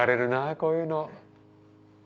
こういうの。